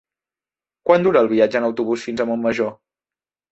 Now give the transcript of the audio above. Quant dura el viatge en autobús fins a Montmajor?